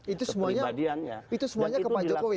itu semuanya kepada jokowi ya bu